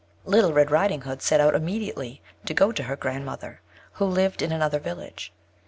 Little Red Riding Hood set out immediately to go to her grand mother, who lived in another village.